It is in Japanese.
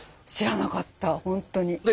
知らなかった本当に。